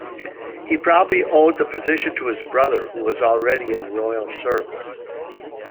He probably owed the position to his brother, who was already in royal service.